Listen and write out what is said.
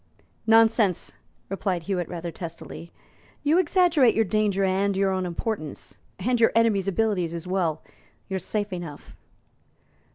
"Nonsense!" replied Hewitt rather testily; "you exaggerate your danger and your own importance, and your enemies' abilities as well. You're safe enough."